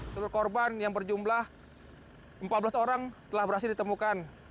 seluruh korban yang berjumlah empat belas orang telah berhasil ditemukan